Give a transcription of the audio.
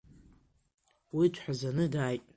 Уи дҳәазаны дааит.